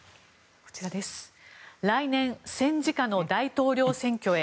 来年、戦時下の大統領選挙へ。